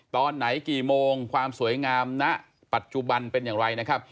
ตอนไหนกี่โมงความสวยงามณปัจจุบันเป็นอย่างไรนะครับ